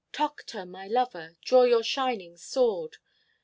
_ Tokhta, my Lover! _Draw your shining sword!